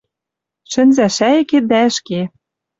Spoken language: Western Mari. Шӹнзӓ шӓйӹкет дӓ ӹшке